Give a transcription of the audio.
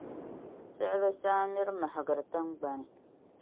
siɣili saa miri mahigiri tiŋgbani.